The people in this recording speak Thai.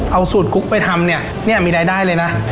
เอาสูตรกุ๊กไปทำเนี่ยเนี่ยมีรายได้เลยนะ